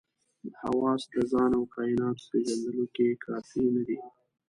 حواس د ځان او کایناتو پېژندلو کې کافي نه دي.